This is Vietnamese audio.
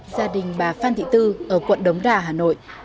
gia đình bà phan thị tư ở quận đống đà hà nội